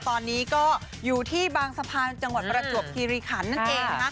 ตอนนี้ก็อยู่ที่บางสะพานจังหวัดประจวบคิริขันนั่นเอง